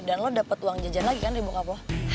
dan lo dapat uang jajan lagi kan dari bokap lo